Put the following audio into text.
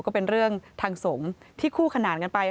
ก็เป็นเรื่องทางสงฆ์ที่คู่ขนานกันไป